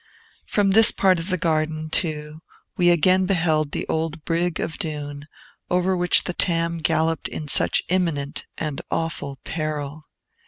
From this part of the garden, too, we again beheld the old Brigg of Doon, over which Tam galloped in such imminent and awful peril.